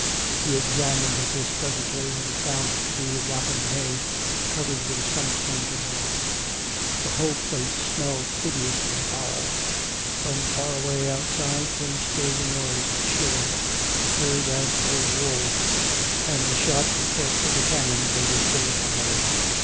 He examined this presently, and found it to be rotting hay covered with some kind of rug. The whole place smelled hideously foul. From far away outside came still the noise of cheering, heard as through wool, and the sharp reports of the cannon COME RACK! COME ROPE! 4S5 they were still firing.